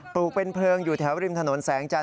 ลูกเป็นเพลิงอยู่แถวริมถนนแสงจันท